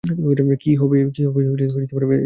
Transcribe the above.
কী হবে এত কিছু জেনে?